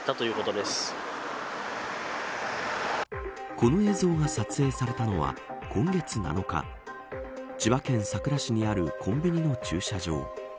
この映像が撮影されたのは今月７日千葉県佐倉市にあるコンビニの駐車場。